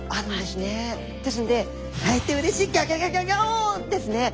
ですので会えてうれしいギョギョギョ！ですね。